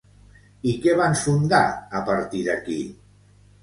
I què van fundar, a partir d'aquí?